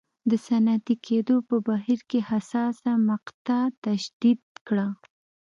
د صنعتي کېدو په بهیر کې حساسه مقطعه تشدید کړه.